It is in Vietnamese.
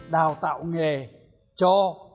đào tạo nghề cho